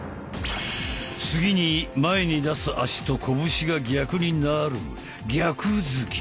次に前に出す足と拳が逆になる逆突き。